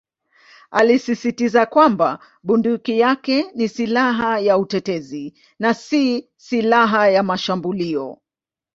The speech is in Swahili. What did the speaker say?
Alisisitiza kwamba bunduki yake ni "silaha ya utetezi" na "si silaha ya mashambulio".